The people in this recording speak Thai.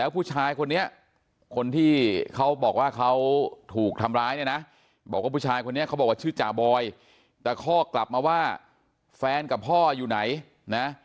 พ่อกลับมาว่าแฟนกับพ่ออยู่ไหน